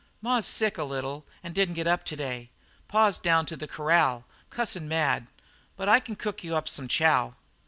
"Ma's sick, a little, and didn't get up to day. Pa's down to the corral, cussing mad. But I can cook you up some chow."